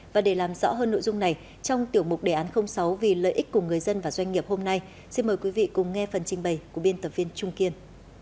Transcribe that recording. và để làm rõ hơn nội dung này trong tiểu mục đề án sáu vì lợi ích của người dân và doanh nghiệp hôm nay xin mời quý vị cùng nghe phần trình bày của biên tập viên trung kiên